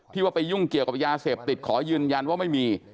ว่าไปยุ่งเกี่ยวกับยาเสพติดขอยืนยันว่าไม่มี